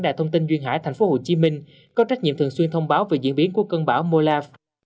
đài thông tin duyên hải tp hcm có trách nhiệm thường xuyên thông báo về diễn biến của cơn bão molaf